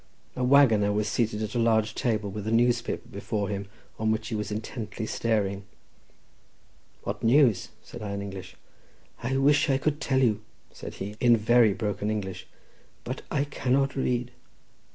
A waggoner was seated at a large table with a newspaper before him on which he was intently staring. "What news?" said I in English. "I wish I could tell you," said he in very broken English; "but I cannot read."